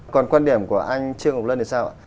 còn quan điểm của anh trương ngọc lân thì sao ạ